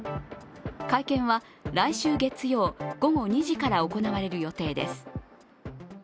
会見は来週月曜午後２時から行われる予定です。